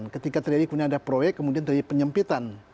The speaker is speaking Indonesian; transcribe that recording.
ketika terjadi kemudian ada proyek kemudian terjadi penyempitan